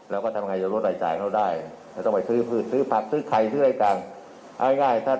แล้วก็ทำอย่างไรจะลดรายจ่ายเขาได้